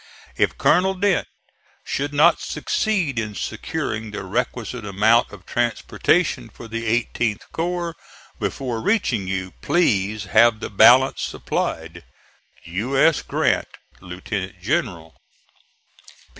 If Colonel Dent should not succeed in securing the requisite amount of transportation for the 18th corps before reaching you, please have the balance supplied. U. S. GRANT, Lieut. General.